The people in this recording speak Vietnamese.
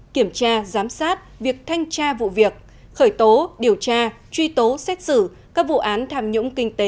kiểm tra giám sát việc thanh tra vụ việc khởi tố điều tra truy tố xét xử các vụ án tham nhũng kinh tế